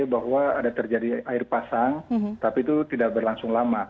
bahwa ada terjadi air pasang tapi itu tidak berlangsung lama